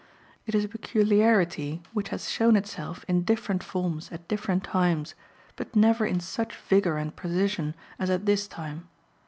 It is a peculiarity which has shown itself in different forms at different times, but never in such vigour and precision as at this time.